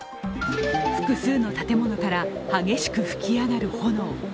複数の建物から激しく噴き上がる炎。